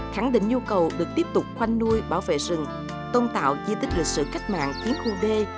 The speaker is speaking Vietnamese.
khẳng định nhu cầu được tiếp tục khoanh nuôi bảo vệ rừng tôn tạo di tích lịch sử cách mạng tiến khu d